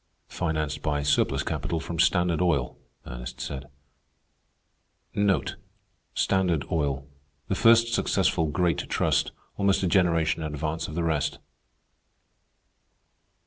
"Financed by surplus capital from Standard Oil," Ernest said. The first successful great trust—almost a generation in advance of the rest.